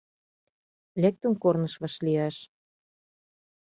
Лектын корныш вашлияш.